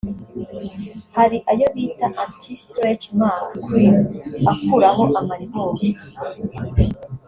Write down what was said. hari ayo bita ‘Anti-stretch mark cream’ akuraho amaribori